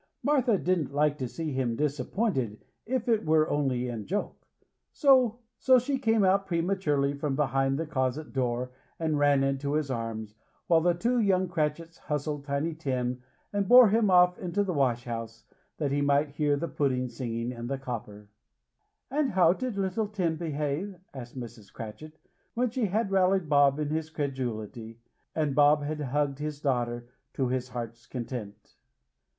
Martha didn't like to see him disappointed, if it were only in joke; so she came out prematurely from behind the closet door, and ran into his arms, while the two young Cratchits hustled Tiny Tim, and bore him off into the wash house, that he might hear the pudding singing in the copper. "And how did little Tim behave?" asked Mrs. Cratchit, when she had rallied Bob on his credulity, and Bob had hugged his daughter to his heart's content.